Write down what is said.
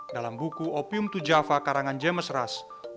dalam buku opium to java karangan james rus